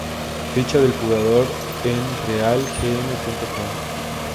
Ficha del jugador en realgm.com